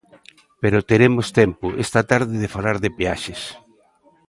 Pero teremos tempo esta tarde de falar de peaxes.